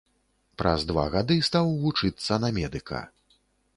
Праз два гады стаў вучыцца на медыка.